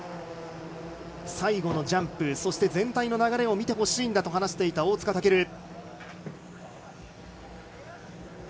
最後のジャンプそして全体の流れを見てほしいんだと話していた大塚健。